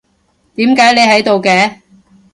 點解你喺度嘅？